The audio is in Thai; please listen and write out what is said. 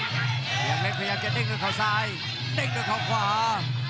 พยายามเล็กพยายามจะเด้งด้วยเขาซ้ายเด้งด้วยเขาขวา